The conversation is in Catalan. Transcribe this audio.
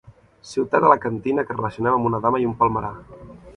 Ciutat alacantina que relacionem amb una dama i un palmerar.